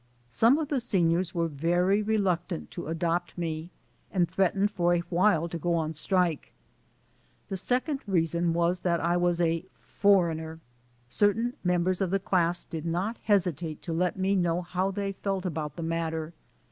Some of the seniors were very reluctant to adopt me and threatened for a while to go on strike. The second reason was that I was a "foreigner." Cer tain members of the class did not hesitate to let me know how they felt about the matter.